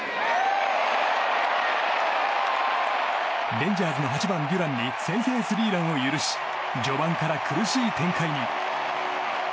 レンジャーズの８番デュランに先制スリーランを許し序盤から苦しい展開に。